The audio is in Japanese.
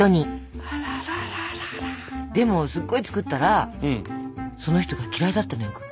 でもすっごい作ったらその人が嫌いだったのよ